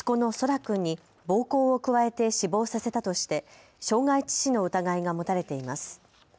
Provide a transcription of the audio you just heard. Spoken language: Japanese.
君に暴行を加えて死亡させたとして傷害致死の疑いが持たれています。